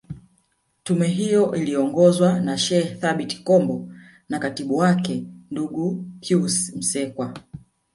Tume hiyo iliongozwa na Sheikh Thabit Kombo na katibu wake ndugu Pius Msekwa